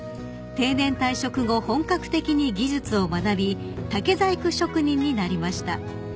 ［定年退職後本格的に技術を学び竹細工職人になりました］